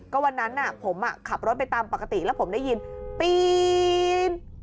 ก็วันนั้นผมขับรถไปตามปกติแล้วผมได้ยินปีน